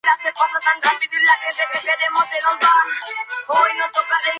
En esta última fase se recomienda tomar únicamente dos sesiones por semana.